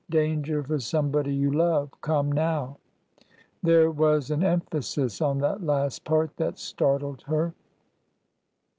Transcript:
Danger for somebody you love ... come now" There was an em phasis on that last part that startled her.